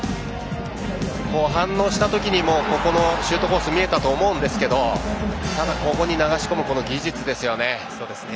反応した時にシュートコースが見えたと思うんですけどあそこに流し込む技術ですよね。